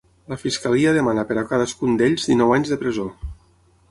La fiscalia demana per a cadascun d’ells dinou anys de presó.